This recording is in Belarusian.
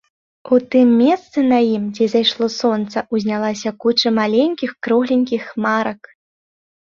У тым месцы на ім, дзе зайшло сонца, узнялася куча маленькіх кругленькіх хмарак.